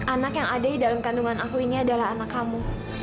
anak yang ada di dalam kandungan aku ini adalah anak kamu